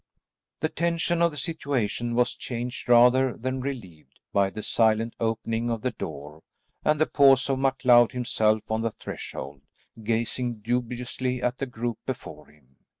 The tension of the situation was changed rather than relieved, by the silent opening of the door, and the pause of MacLeod himself on the threshold, gazing dubiously at the group before him.